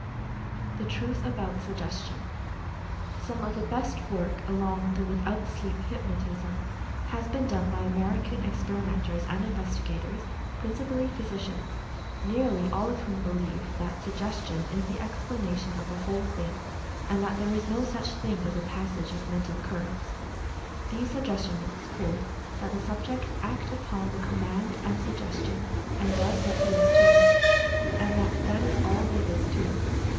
THE TRUTH ABOUT SUGGESTION. Some of the best work along the "without sleep hypnotism" (?) has been done by American experi menters and investigators (principally physicians), nearly all of whom believe that "Suggestion" is the explanation of the whole thing, and that there is no such thing as the passage of "Mental Currents." These "Suggestionists" hold that the subject acts upon the Command and Suggestion, and does what he is told — and that that is all there is to it.